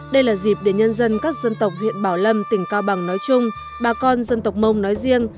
đây là dịp để nhân dân các dân tộc huyện bảo lâm tỉnh cao bằng nói chung bà con dân tộc mông nói riêng